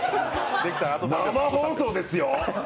生放送ですよ。